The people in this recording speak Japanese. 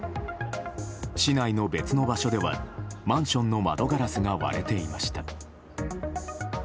市内の別の場所ではマンションの窓ガラスが割れていました。